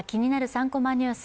３コマニュース」